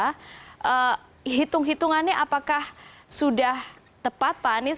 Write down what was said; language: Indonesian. nah hitung hitungannya apakah sudah tepat pak anies